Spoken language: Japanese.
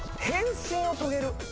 ⁉「変身をトげる」